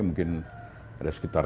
mungkin ada sekitar seratus